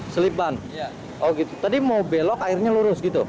selip ban oh gitu tadi mau belok akhirnya lurus gitu